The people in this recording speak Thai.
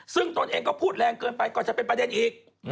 ซึ่งตนเองก็พูดแรงเกินไปก็จะเป็นประเด็นอีก